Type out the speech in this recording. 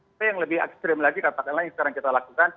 itu yang lebih ekstrim lagi katakanlah yang sekarang kita lakukan